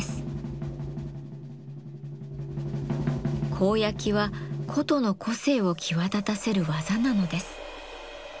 甲焼きは箏の個性を際立たせる技なのです。